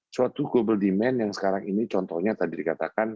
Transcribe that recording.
suatu global demand yang sekarang ini contohnya tadi dikatakan